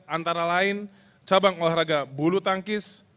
antara lain cabang olahraga bulu tangkis